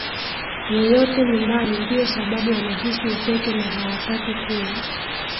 yeyote nyumbani Ndiyo sababu wanahisi upweke na hawataki kuwa